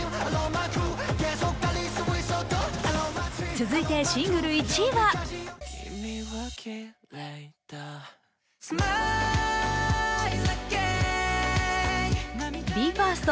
続いてシングル１位はＢＥ：ＦＩＲＳＴ